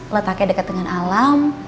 letaknya dekat dengan alam